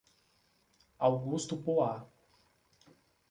Augusto Pua